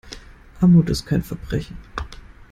Armut ist kein Verbrechen.